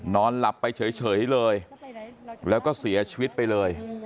นอนหลับไปเฉยเลยแล้วก็เสียชีวิตไปเลย